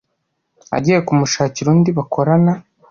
agiye kumushakira undi bakorana,